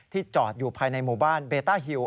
จอดอยู่ภายในหมู่บ้านเบต้าฮิว